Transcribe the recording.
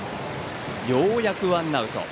ようやくワンアウト。